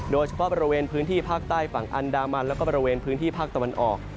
โดยเฉพาะบริเวณพื้นที่ภาคใต้ฝั่งอันดามันแล้วก็บริเวณพื้นที่ภาคตะวันออก